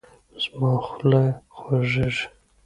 زما خوله خوږیږي